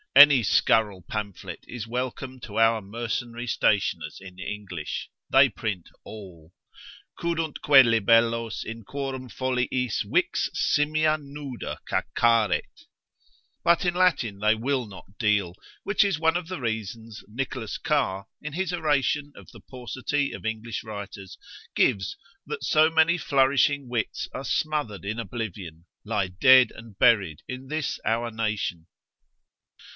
Any scurrile pamphlet is welcome to our mercenary stationers in English; they print all ———cuduntque libellos In quorum foliis vix simia nuda cacaret; But in Latin they will not deal; which is one of the reasons Nicholas Car, in his oration of the paucity of English writers, gives, that so many flourishing wits are smothered in oblivion, lie dead and buried in this our nation.